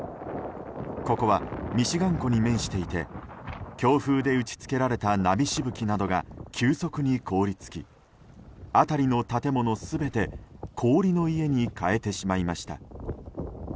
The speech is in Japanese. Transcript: ここはミシガン湖に面していて強風で打ち付けられた波しぶきなどが急速に凍り付き辺りの建物全て氷の家に変えてしまいました。